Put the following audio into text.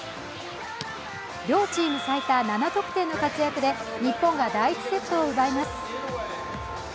両チーム最多７得点の活躍で日本が第１セットを奪います。